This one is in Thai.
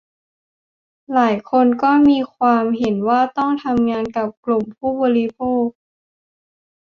หลายคน ก็มีความเห็นว่าต้องทำงานกับกลุ่มผู้บริโภค